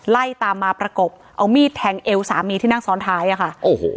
ไล่ตามมาประกบเอามีดแทงเอวสามีที่นั่งซ้อนท้ายอ่ะค่ะโอ้โห